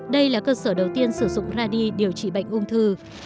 đây là cơ sở đầu tiên sử dụng radi điều trị bệnh ung thư